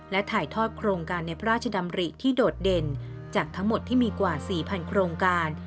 และถ่ายทอดโครงการในพระราชดำริที่โดดเด่นจากทั้งหมดที่มีกว่า๔๐๐โครงการ